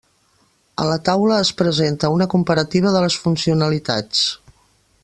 A la taula es presenta una comparativa de les funcionalitats.